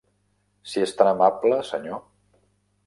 Si es tan amable, senyor.